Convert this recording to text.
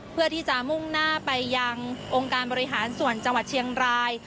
เพื่อที่จะมุ่งหน้าไปยังองค์การบริหารส่วนจังหวัดเชียงราย